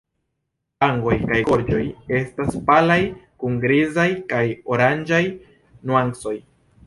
Vangoj kaj gorĝo estas palaj kun grizaj kaj oranĝaj nuancoj.